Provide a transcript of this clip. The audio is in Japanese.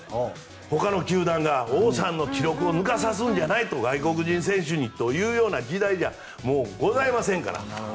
ほかの球団が王さんの記録を抜かさすんじゃないと外国人選手にというような時代ではもうございませんから。